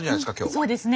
そうですね。